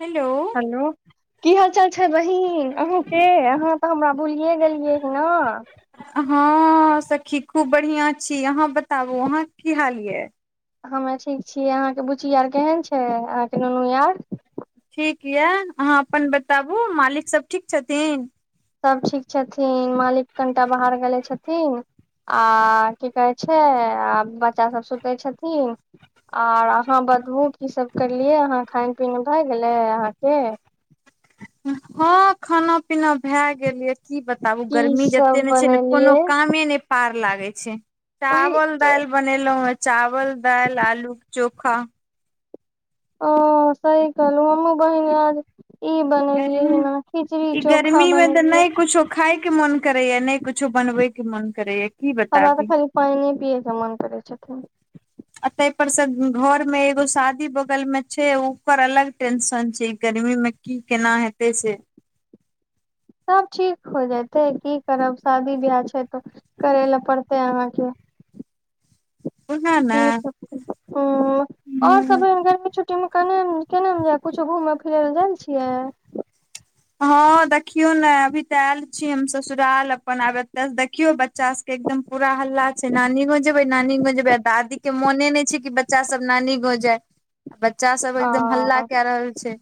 hello hello की हालचाल छै बहीन अहूँके अहाँ तऽ हमरा भुलिए गेलियै हऽ न हँ सखी खूब बढ़िआँ छी अहाँ बताबू अहाँके की हाल ये हमे ठीक छियै अहाँके बुची आर केहन छै अहाँके नुनू आर ठीक यऽ अहाँ अपन बताबू मालिक सब ठीक छथिन सब ठीक छथिन मालिक कनिटा बाहर गेले छथिन आ की कहै छै आ बच्चासभ सुतै छथिन आर अहाँ बताबू कीसभ करलियै अहाँ खाइन पीन भए गेलै अहाँके [inaudible] हँ खाना पीना भए गेल य की बताबू की गर्मी जते सब मे छै ने कोनो बनेलियै कामे ने पार लागै छै वही चावल तऽ दाल बनेलहुं हें चावल दाल आलू के चोखा ओ सही कहलु हमहुं बहिन आज ई बनेलियए गर्मी हना खिचड़ी ई चोखा गर्मी मे तऽ बनेलियै नहि कुछो खाय के मन करैया नहि कुछो बनबै के मन करैया हमरा तऽ खाली पानिए पियैके मन करै छथिन आ ताहि पर से घरमे एगो शादी बगलमे छै ओकर अलग टेंशन छै गर्मीमे की केना हेते से [inaudible] सभ ठीक हो जतै की करब शादी बियाह छै तऽ करै लए पड़तै अहाँके [inaudible] बुझल ने हं आओर सबमे गर्मी छु ट्टिमे केना केना जा कुछो घुम फिर ल जाइ छियै हँ देखियौ ने अभी तऽ आयल छी हम ससुराल अपन आब एतऽसँ देखियौ बच्चा सबके एकदम पूरा हल्ला छै नानी गाम जेबै नानी गों जेबे आ दादी के मोने नहि छै कि बच्चा सब नानी गाँव जाय बच्चा सब आ एकदम हल्ला कए रहल छै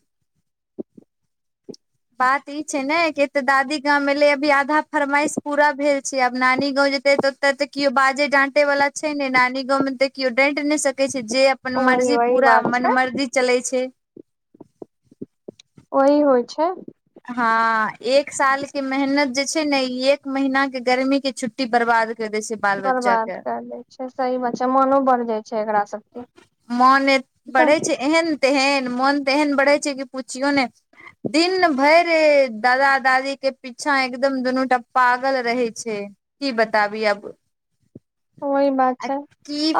बात ई छै ने कि एतऽ दादी गाँंम एलै अभी आधा फरमाइश पूरा भेल छै आब नानी गाँव जेतै ओते तऽ केओ बाजे डाटे वाला छै ने नानी गाममे तऽ केओ डैट नहि सकै छै जे अपन वही मर्जी वही पूरा बात मन छै मर्जी चलै छै ओहि होइ छै हां एक साल के मेहनत जे छै ने इ एक महिना के गर्मी के छुट्टी बर्बाद कर दै छै बाल बच्चा बर्बाद के कर दै छै सही बात छै मनो बढ़ जाइ छै एकरा सबके मन तऽ बढ़ै छै एहन तेहन मोन तेहन बढ़ै छै कि पुछियो नै दिन भरि दादा दादी के पीछा एकदम दुनूटा पागल रहै छै की बताबी अब ओ ई बात छै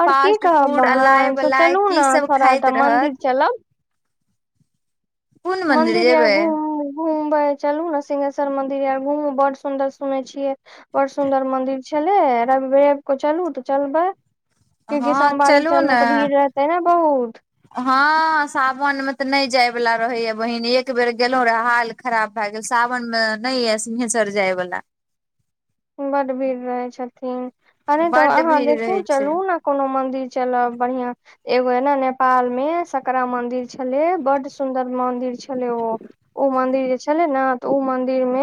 आओर की फास्ट कहब फूड अहां हँ अलाय बलाय सोचलू की न सब थोड़ा खाइत टा रहत मन्दिर चलब कोन मंदिर मन्दिर आर जेबै घुम घुमबै चलू ने सिंहेश्व र मंदिर आओर घूमु बड़ सुदर सुने छियै बड़ सुंदर मंदिर छलै आ रवि भैया को चलू हुं तऽ चलबै क्यूंकि हँ सोमवारी चलू ने टाइममे तऽ भीड़ रहतै ने बहुत वनमे ते नहि जाय वाला रहैया बहिन एक बेर गेलौं रहै हाल खराब भय गेल सावनमे नै एल सिंघेश्वर जाइ बला बड भीड़ रहै छथिन आ नहि तऽ बड्ड अहाँ भीड़ देखू रहै छै चलू न कोनो मंदिर चलब बढ़िआं एगो ए ने नेपाल मे सकरा मंदिर छलै बड सुन्दर मंदिर छलै ओ ओ मन्दिर जे छलै ने तऽ ओ मन्दिर मे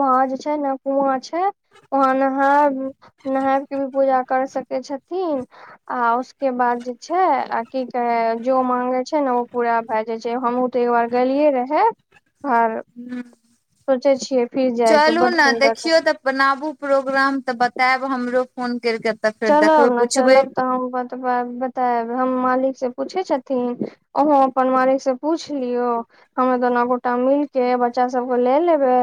वहाँ जे छै ने वहाँ छै वहाँ नहायब नहायब के भी पूजा कर सकैत छथिन आ उसके बाद जे छै आ की कहे जो मांगे छै ने ओ पूरा भए जाय छै हमहुं ते एकबार गैलियै रहै एह भार ह सोचै छियै चलू बड न सुन्दर रहे देखियौ तऽ बनाबू प्रोग्राम तऽ बतायब हमरो फोन करिके तऽ फेर देखबै चलब न पुछबै चलब तऽ हम बतबैब बतायब हम मालिक से पूछै छथि ओहो अपन मालिक से पूछ लियौ हमे दोनो गोटा मिलके बच बच्चा सब के ले लेबे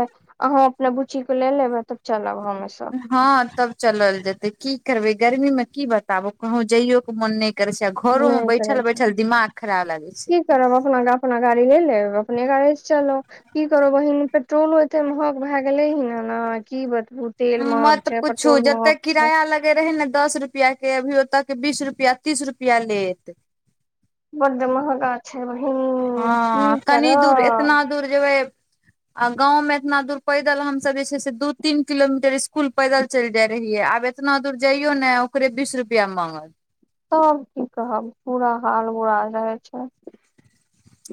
अहो अपना बुच्ची के ले लेबे तब चलब हमे सब हँ तब चलल जेतै की करबै गर्मीमे की बताबू कहूँ जाइयो के मोन नहि करै छै आ घरो मे नहि करै बैठल छै बैठल दिमाग खराब लागै छै की करब अपना अपना गाड़ी ले लेब अपने गाड़ी से चलो की करो बहिन पेट्रोलो एते महग भए गेले ह न की बत मतऽ पूछू जते छै किराया लगे रहे ने दस रुपआ के अभी ओतऽ बीस रुपया तीस रुपया लेत बड महंगा हँ कनी दूर एतना करब दूर जेबै आ गांव मे इतना दूर पैदल हम सब जे छै से दू तीन किलोमीटर स्कूल पैदल चलि जाय रहिये आब एतना दुर जइयो ने ओकरे बीस रुपया माँगत तब की कहब पूरा हाल बुरा रहै छै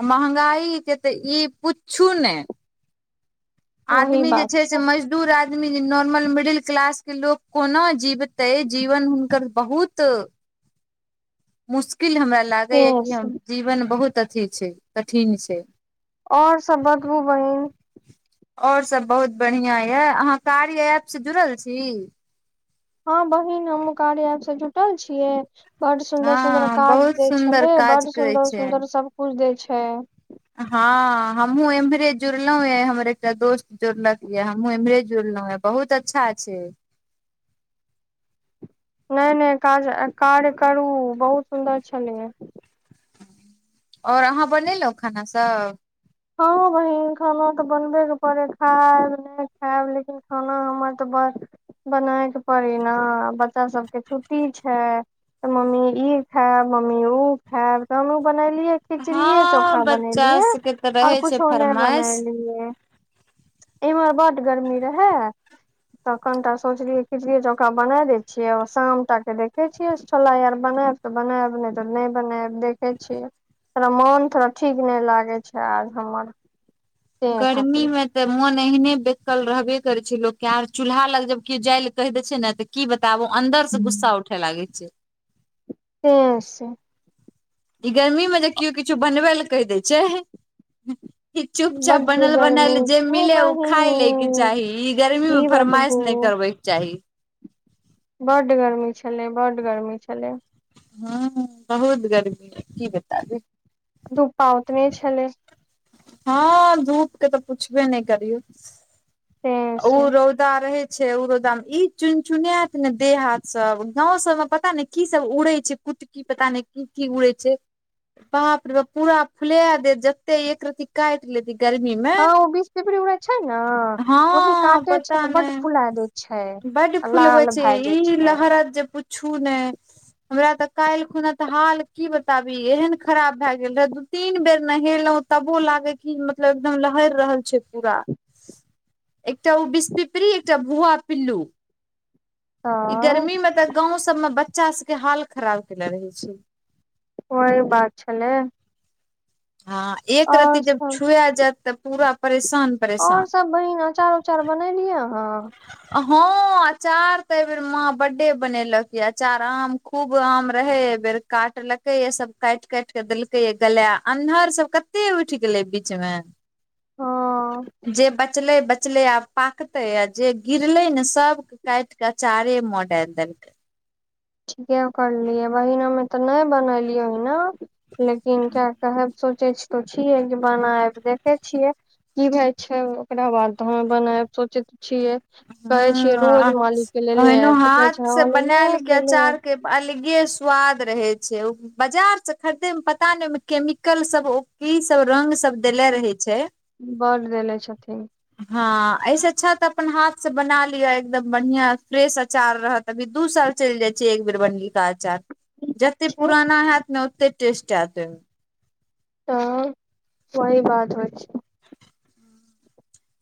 मंहगाई के तऽ ई पुछू नइ वही आदमी जे बात छै से मजदूर आ आदमी नॉर्मल मिडिल क्लास के लोक कोना जीवते जीवन हुनकर बहुत मुश्किल हमरा लागैया तें कि से हम जीवन बहुत अथी छै कठिन छै और सब बतबू बहिन और सभ बहुत बढ़िआँ यए अहाँ कार्य ऐपसँ जुड़ल छी हँ बहिन हमहुं कार्य ऐप से जुटल छियै बड सुंदर सुंदर हँ काज बहुत देै सुन्दर छले काज बड करै सुंदर छै सुंदर सब कुछ देै छै ह हमू एम्हरे जुड़लो ये हमर एकटा दोस्त जुड़लक ये हमहु एम्हरे जुड़लो ये बहुत बहुत अच्छा छै नहि नहि काज कार्य करू बहुत सुन्दर छलैय आओर अहाँ बनेलौ खाना सभ हँ बहिन खाना तऽ बनबेके पड़े खाएब नहि खाएब लेकिन खाना हमर तऽ बन बनाय के पड़ी न बच्चा सबके छुट्टी छै तऽ मम्मी ई खायब मम्मी उ खायब तहन उ बैनैयली खिचड़ीेए चोखा हँ बच्चा बनेलियै सबके तऽ आऔर रहै छै कुछो नहि फरमाइश बनेलियै इमहर बड गरमी रहै तऽ कनिटा सोचलियै खिचड़ीए चोखा बना दै छियै शामटा के देखै छियै छोला आर ब अपने स बनायब नहि तऽ नहि बनायब देखै छियै तोड़ा मोन थोड़ा ठीक नहि लागै छै आर हमर ते खातिर त मोन एहने बेतल रहबे करे छै लोक के आर चूल्हा लग जब की जाय ले कहि दे छै ने त की बताब अन्दर से गुस्सा उठे लागै छै हू से ई गर्मी मे जे केओ किछो बनबै लए कहि दै छै ई चुपचाप बड्ड बनल गर्मी बनाल जे छै मिले उ बहिन खाय ले के चाही इ गर्मी मे की बतबू फरमाइश नै कर करबैके चाही बड गर्मी छलै बड गर्मी छलै ह बहुत गर्मी रहै की बताबी धूप्पा ओतने छलै हँ धूप के तऽ पुछबे नहि करियौ तें उ से रौदा रहे छैय उ रोदा मे ई चुन चुनाएत ने देह हाथ सब गाँव सब मे पता नैय की सब उड़ै छै कुटकी पता नहि की की उड़ै छै बाप रे बाप पूरा फुले दे जते एक रती काटि लेत गर्मी मे हँ ओ बीस पिपड़ी उड़े छैय न वही हँ काटे छै तऽ बड फुला दैय छै बड फूल बै लाल छै भए जाइ ई छै लहरत जे पूछू नैय हमरा तऽ काल्हि खुना तऽ हाल की बताबी एहन खराब भए गेल रहै दू तीन बेर नहेलौ तबो लागै की मतलब एकदम लहरि रहल छै पूरा एकटा ओ बीसपिपड़ी एकटा भुआ पिल्लु ई तऽ गर्मीमे तऽ गाँव सभमे बच्चा सभके हाल खराब केनेे रहै छै ओहे बात छलै हँ एक रति और जब छुए जायत तऽ पूरा परेश ओर सभ बहिन अचार उचार बनेलियै आहां हँं अचार त ए बेेर माँ बडे बनेलक ये अचार आम खूब आम रहै ऐबेर काटलकै ये सब काटि काटि के देलके ये गलाए अन्हर सब कते उठि गेलौ बीच मे हँ जे बचलै बचलै आब पाकतै आ जे गिरले न सबके काट कऽ अचारे म डालि देलकै करलियै बहिना हमे त नहि बनेलियै ह न लेकिन कियाक त सोचे छी तऽ छियै जे बनाएब देखै छियै की भए छै ओकरा बाद हं बनायब सोचै तऽ छियै कहे छियै रोज ह मालिक के लेले ओहनो आयब तऽ कहे हाथ छै से हँ लेले बनायल आयब के लेले अचार के अलगे स्वाद रहे छै बाजार से खरीदेमे पता ने ओमे केमिकल सब ओ कि सब रंग सब देले आयब रहै छैय बड देले छथिन हां ऐसे अच्छा तऽ अपन हाथ से बना लिय एकदम बढ़िया फ्रेश अचार रहत अभी दू साल चैल जाय छै एक बेर बनेबै अचार जते छै पुराना हैत न ओते टेस्ट हैत तऽ सहि बात होय छै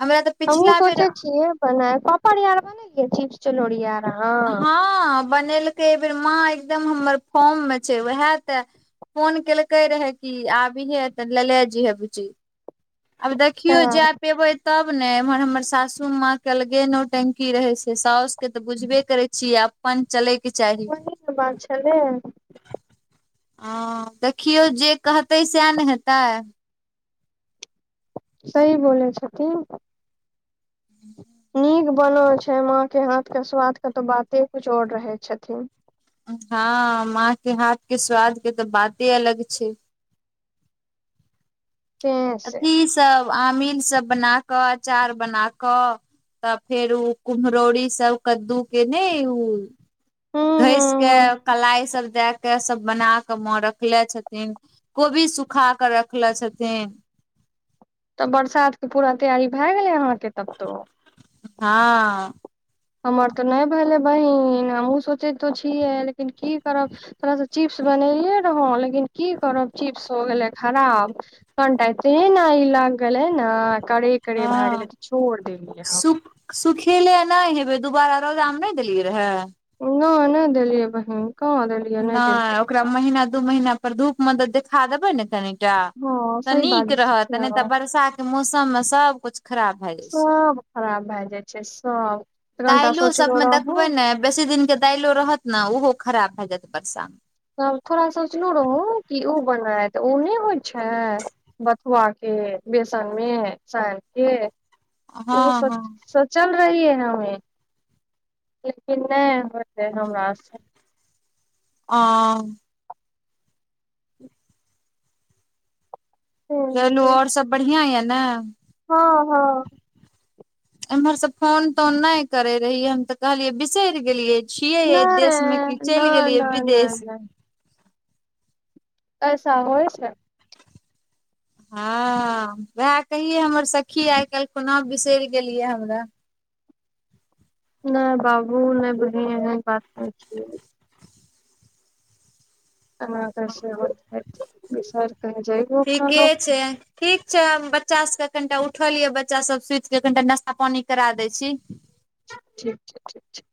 हमरा तऽ हमहुँ पिछला बेर सोचे छियै बना पापड़ी आर बन चिप चलौरी आर अहाँ हँ बनेलकै एहि बेेर माँ एकदम हमर फॉम मे छै उएह तऽ फोन केलकै रहए कि आबिहे तऽ लेेले जैहे बुची आब तऽ देखियौ जा पेबै तब ने एम्हर हमर सासू माँ के अलगे नौटंकी रहै छै साउस के तऽ बुझबे करे छीयै अपन चलै ओहि ने बात छलै हँ देखियौ जे कहतै सएह ने हेतै सही बोलै छथिन [inaudible] नीक बनल छै माँ के हाथ के स्वाद के तो बाते कुछ और रहै छथिन हँ माँ के हाथ के स्वाद के तऽ बाते अलग छै ते से अथिसभ आमीलसभ बना कऽ अचार बना कऽ तब फेर ओ कुम्हरौरी सब कद्दू के नै ओ ह ह घसि के ह कलाई सब दे के सब बना क म रखले छथिन कोबी सुखा क रखले छथिन तऽ बरसातके पूरा तैयारी भए गेलै अहाँके तब तो हँ हमर तऽ नहि भेलै बहिन हमहुं सोचैतो छियै लेकिन की करब तथोड़ासँ चीप्स बनेलिय रहों लेकिन की करब चीप्स हो गेले खराब कनिटा ते ने लग गेलै ने करे करे भए हँ गेलै छोड़ देलियै हम फेर दुबारा रोदामे नहि देलियै रहए न नहि देेलिय बहिन कहाँ देलियै नहि देलियै नय ओकरा महीना दू महीना पर धूप मे त देखा देबै ने तनिक टा हँ तऽ सही बात नीक रहत छै नहि तऽ बरसात के मौसम मे सबकुछ खराब भय गेल छै सब खराब भए जाइ छै सब तऽ कनिटा दायलो सोचलो सबमे रहू देखबै ने बेसी दिन के दाइलो रहत ने ओहो खराब भए जायत बर्षामे तब थोड़ा सोचलहुं रहौँ कि ओ बनाय त ओ नहि होइ छै बथुआ के बेसन मे सानि के ओ हँ हँ सोचल रहियै हमे लेकिन नहि होइतै हमरासँ आ हँ चलू आऔर सब बढ़िआ ये न हँ हँ एम्हर से फोन तोन नहि करे रहियै हम तऽ कहलियै बिसरि गेलियै छियै ऐ नहि देशमे कि चलि नहि गेलियै नहि नहि विदेश अइसा होइ छै हँ उएह कहियै हमर सखी आइ काल्हि खुना बिसरि गेलियै हमरा नहि बाबू ने बहिन एहन बात नहि छै [unintelligible] विसर कहीं जइबो ठीके कहलौं छै ठीक छै बच्चा सब कनिटा उठल ये बच्चा सब सुति के कनिटा नश्ता पानी करा दय छी ठीक छै ठीक छै